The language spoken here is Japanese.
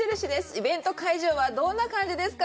イベント会場は、どんな感じですか？